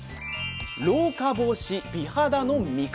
「老化防止美肌の味方！」。